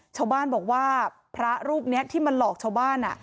ชาวบ้านบอกว่าพระรูปนี้ที่มาหลอกชาวบ้าน